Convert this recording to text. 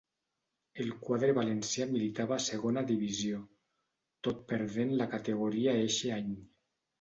El quadre valencià militava a Segona Divisió, tot perdent la categoria eixe any.